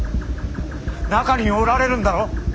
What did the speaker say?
中におられるんだろ。